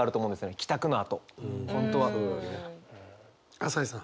朝井さん。